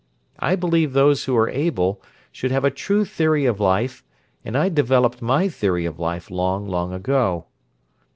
I believe those who are able should have a true theory of life, and I developed my theory of life long, long ago.